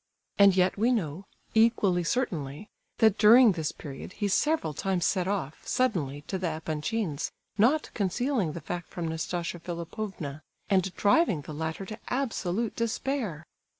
And yet we know, equally certainly, that during this period he several times set off, suddenly, to the Epanchins', not concealing the fact from Nastasia Philipovna, and driving the latter to absolute despair.